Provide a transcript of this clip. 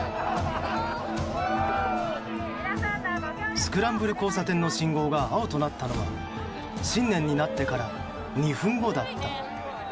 スクランブル交差点の信号が青となったのは新年になってから２分後だった。